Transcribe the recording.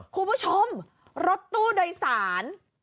คุณผู้ชมรถตู้โดยสาร